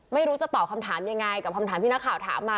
ไม่รู้จะตอบคำถามยังไงกับคำถามที่นักข่าวถามมา